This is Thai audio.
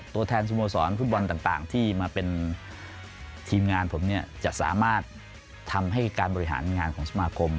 ตัวแทนสโมสรฟุตบอลต่างที่มาเป็นทีมงานผมเนี่ยจะสามารถทำให้การบริหารงานของสมาคม